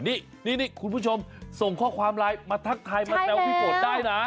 นี่คุณผู้ชมส่งข้อความไลน์มาทักทายมาแซวพี่ฝนได้นะ